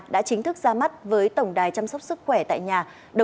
đã chính thức ra mắt với tổng đài chăm sóc sức khỏe tại nhà